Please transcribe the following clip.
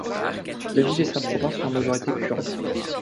La ville et sa province sont à majorité kurde.